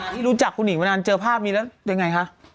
ที่รู้จักคุณหญิงมานานเจอภาพนี้แล้วยังไงคะ